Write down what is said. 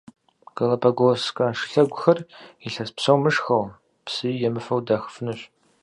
Галапагосскэ шылъэгухэр илъэс псо мышхэу, псыи емыфэу дахыфынущ.